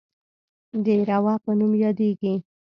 د روه په نوم یادیږي.